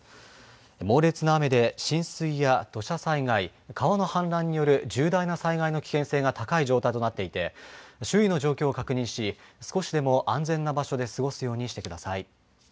猛烈な雨で浸水や土砂災害川の氾濫による重大な災害の危険性が高い状態となっていて周囲の状況を確認し少しでも安全な場所で過ごすようにしてください。